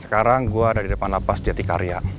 sekarang gue ada di depan lapas jati kota ini